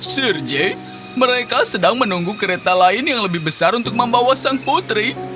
surje mereka sedang menunggu kereta lain yang lebih besar untuk membawa sang putri